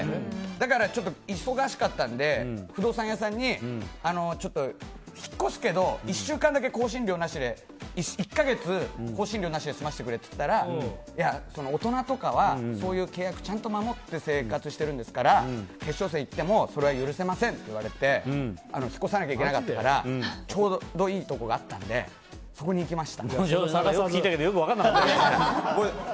だから忙しかったので不動産屋さんに引っ越すけど１か月更新料なしで済ませてくれって言ったらいや、大人とかはそういう契約をちゃんと守って生活してるんですから決勝戦いってもそれは許せませんって言われて引っ越さなきゃいけなかったからちょうどいいところがあったので聞いたけどよく分からなかったな。